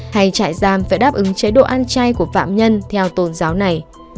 hay trại giam phải đáp ứng chế độ ăn chay của phạm nhân theo tôn giáo này